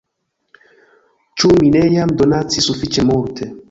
Ĉu mi ne jam donacis sufiĉe multe!"